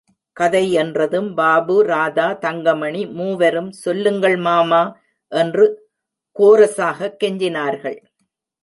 கதை என்றதும் பாபு, ராதா, தங்கமணி மூவரும் சொல்லுங்கள் மாமா என்று கோரசாகக் கெஞ்சினார்கள்.